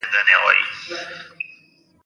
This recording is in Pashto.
تقسیم ښکاري.